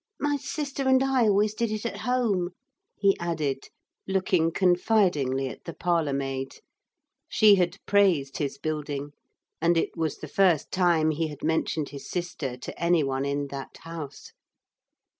My sister and I always did it at home,' he added, looking confidingly at the parlour maid. She had praised his building. And it was the first time he had mentioned his sister to any one in that house.